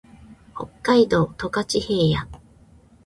北海道十勝平野